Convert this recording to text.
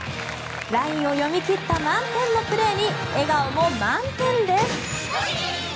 ラインを読み切った満点のプレーに笑顔も満点です。